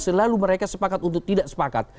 selalu mereka sepakat untuk tidak sepakat